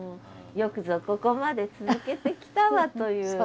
よくぞここまで続けてきたわという。